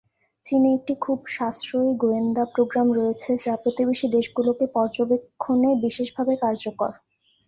চীনের একটি খুব সাশ্রয়ী গোয়েন্দা প্রোগ্রাম রয়েছে যা প্রতিবেশী দেশগুলিকে পর্যবেক্ষণে বিশেষভাবে কার্যকর।